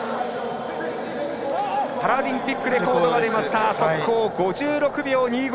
パラリンピックレコード速報５６秒２５！